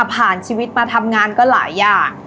ชีวิตมาทำงานก็หลายอย่าง